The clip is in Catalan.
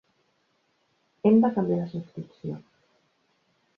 Hem de canviar la subscripció.